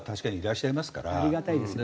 ありがたいですよね。